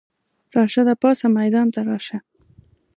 راشده پاڅه ميدان ته راشه!